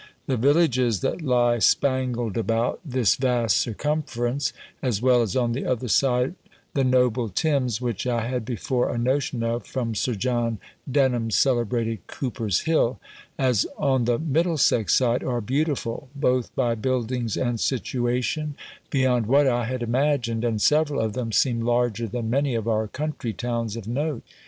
The villages that lie spangled about this vast circumference, as well on the other side the noble Thames (which I had before a notion of, from Sir John Denham's celebrated Cooper's Hill), as on the Middlesex side, are beautiful, both by buildings and situation, beyond what I had imagined, and several of them seem larger than many of our country towns of note.